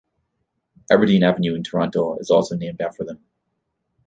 Aberdeen Avenue in Toronto is also named after them.